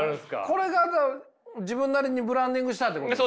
これが自分なりにブランディングしたってことですか？